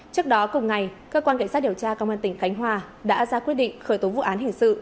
trước đó cùng ngày cơ quan cảnh sát điều tra công an tỉnh khánh hòa đã ra quyết định khởi tố vụ án hình sự